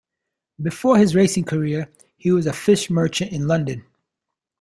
Before his racing career he was a fish merchant in London.